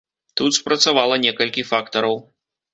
Тут спрацавала некалькі фактараў.